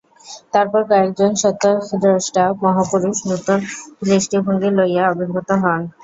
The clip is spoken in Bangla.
তারপর কয়েকজন সত্যদ্রষ্টা মহাপুরুষ নূতন দৃষ্টিভঙ্গী লইয়া আবির্ভূত হন।